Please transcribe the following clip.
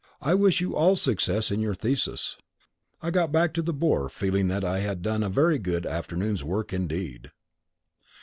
I wish you all success in your thesis." I got back to the Boar feeling that I had done a very good afternoon's work indeed.